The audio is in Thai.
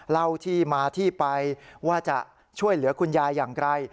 เล่าที่มาที่ไปว่าจะช่วยเหลือคุณยายอย่างไร